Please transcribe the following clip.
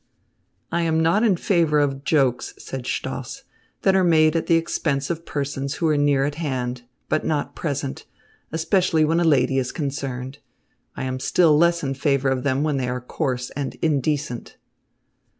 "I am not in favour of jokes," said Stoss, "that are made at the expense of persons who are near at hand, but not present, especially when a lady is concerned. I am still less in favour of them when they are coarse and indecent."